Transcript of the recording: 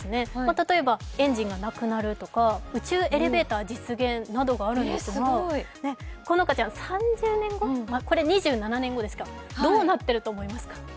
例えばエンジンがなくなるとか宇宙エレベーター実現とかあるんですけれども、好花ちゃん、３０年後、これは２７年後ですが、どうなってると思いますか？